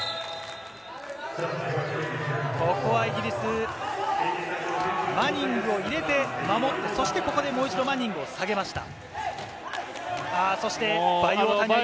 ここはイギリス、マニングを入れて守って、もう一度、マニングを下げました。